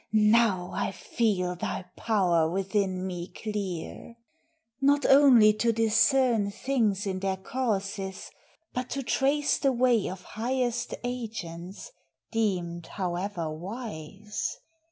now I feel thy power Within me clear; not only to discern Things in their causes, but to trace the ways Of highest agents, deemed however wise.